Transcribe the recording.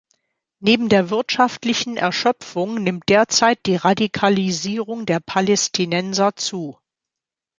Neben der wirtschaftlichen Erschöpfung nimmt derzeit die Radikalisierung der Palästinenser zu.